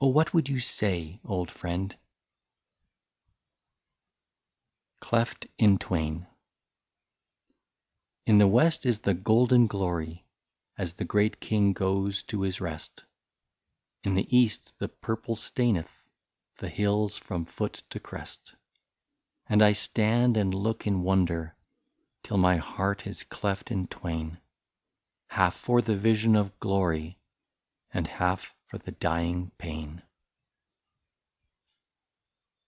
what would you say, old friend ?" 35 CLEFT IN TWAIN. In the west is the golden glory, As the great king goes to his rest ; In the east the purple staineth The hills from foot to crest. And I stand and look in wonder, Till my heart is cleft in twain, — Half for the vision of glory, And half for the dying pain.